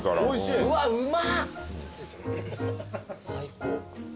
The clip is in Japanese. うわっうまっ。